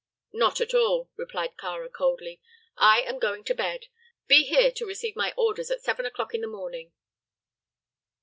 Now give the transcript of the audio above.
"Not at all," replied Kāra, coldly. "I am going to bed. Be here to receive my orders at seven o'clock in the morning."